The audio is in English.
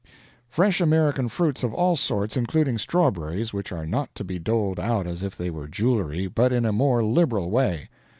Fresh American fruits of all sorts, including strawberries which are not to be doled out as if they were jewelry, but in a more liberal way.